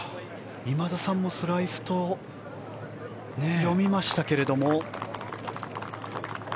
今田さんもスライスと読みましたけれども。